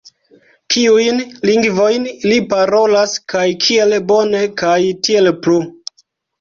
Kiujn lingvojn li parolas kaj kiel bone kaj tiel plu